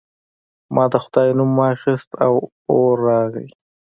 ما د خدای نوم واخیست او اور راغی.